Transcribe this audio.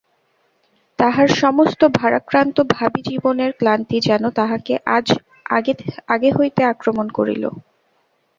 তাহার সমস্ত ভারাক্রান্ত ভাবী জীবনের ক্লান্তি যেন তাহাকে আজ আগে হইতে আক্রমণ করিল।